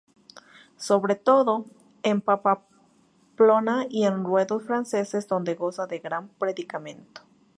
Sobre todo, en Pamplona y en ruedos franceses, donde goza de gran predicamento.